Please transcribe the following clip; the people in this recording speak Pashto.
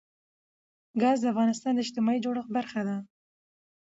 ګاز د افغانستان د اجتماعي جوړښت برخه ده.